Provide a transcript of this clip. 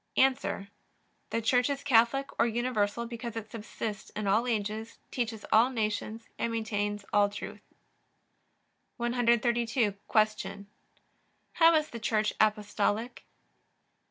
A. The Church is Catholic or universal because it subsists in all ages, teaches all nations, and maintains all truth. 132. Q. How is the Church Apostolic?